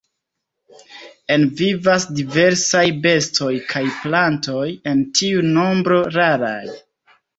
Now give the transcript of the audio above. En vivas diversaj bestoj kaj plantoj, en tiu nombro raraj.